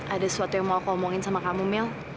ada sesuatu yang mau aku omongin sama kamu mel